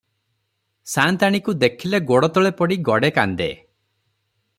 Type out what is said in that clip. ସାଆନ୍ତାଣୀକୁ ହେଖିଲେ ଗୋଡ଼ତଳେ ପଡ଼ି ଗଡ଼େ କାନ୍ଦେ ।